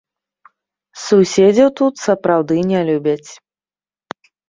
Суседзяў тут сапраўды не любяць.